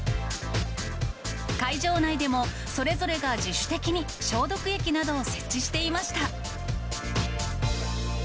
会場内でも、それぞれが自主的に消毒液などを設置していました。